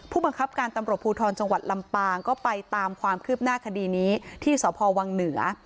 ผู้บังคับการตำรวจภูทรจังหวัดลำปางก็ไปตามความคืบหน้าคดีนี้ที่สพวังเหนือ